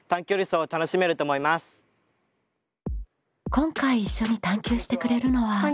今回一緒に探究してくれるのは。